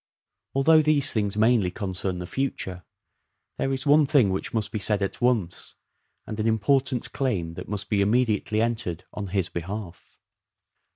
Although these things mainly concern the future, there is one thing which must be said at once, and an important claim that must b« immediately entered on his behalf.